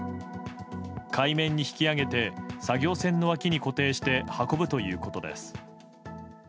海面に引き揚げて作業船の脇に固定して運ぶということです。